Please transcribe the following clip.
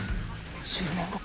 １０年後か？